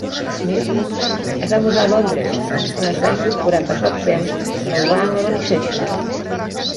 Smith es va mudar a Londres, on es va incorporar per poc temps a la Rank Organization.